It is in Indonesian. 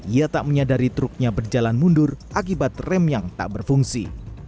ia tak menyadari truknya berjalan mundur akibat rem yang tak berfungsi